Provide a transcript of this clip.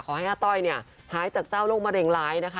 ให้อาต้อยเนี่ยหายจากเจ้าโรคมะเร็งร้ายนะคะ